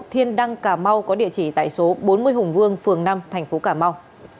thiên đăng cà mau có địa chỉ tại số bốn mươi hùng vương phường năm tp cà mau